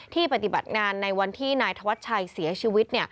ปฏิบัติงานในวันที่นายธวัชชัยเสียชีวิต